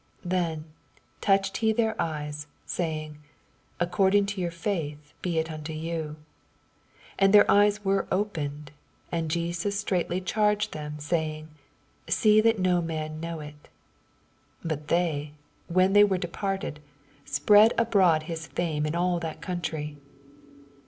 29 Then touched he their eyes, saying. According to yonr faith be it nnto you. 80 And their eyes were opened; and JesuB straitly charged them, say ing, See that no man know U. 31 But thev, when they were de parted, Bpreaa abroad his fame in idl that country.